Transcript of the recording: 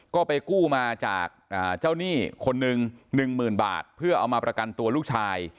ก็ไปกู้มาจากเจ้าหนี้คนหนึ่ง๑๐๐๐บาทเพื่อเอามาประกันตัวลูกชาย